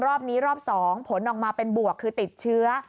รอบนี้รอบ๒ผลออกมาเป็นบวกคือติดเชื้อ